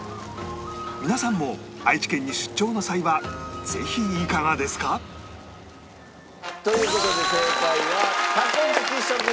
皆さんも愛知県に出張の際はぜひいかがですか？という事で正解はたこ焼き職人でございました。